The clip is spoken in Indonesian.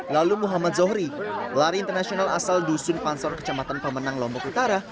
lalu muhammad zohri pelari internasional asal dusun pansor kecamatan pemenang lombok utara